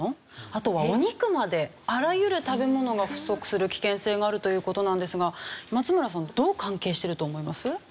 あとはお肉まであらゆる食べ物が不足する危険性があるという事なんですが松村さんどう関係していると思います？